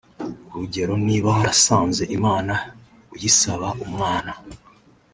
urugero niba warasenze Imana uyisaba umwana